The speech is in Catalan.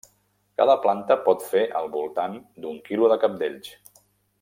Cada planta pot fer al voltant d'un quilo de cabdells.